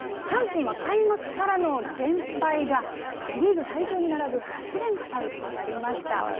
阪神は開幕からの連敗がセ・リーグ最長に並ぶ８連敗となりました。